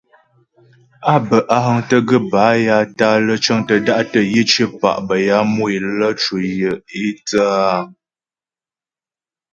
Á bə́ á həŋtə gaə́ bâ ya tǎ'a lə́ cəŋtə da'tə yə cyə̌pa' bə́ ya mu é lə cwə yə é thə́ áa.